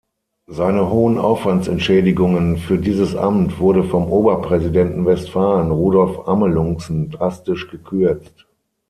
Seine hohen Aufwandsentschädigungen für dieses Amt wurde vom Oberpräsidenten Westfalen Rudolf Amelunxen drastisch gekürzt.